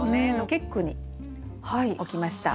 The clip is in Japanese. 結句に置きました。